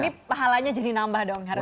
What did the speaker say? ini pahalanya jadi nambah dong harus